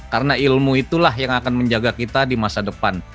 karena ilmu itulah yang akan menjaga kita di masa depan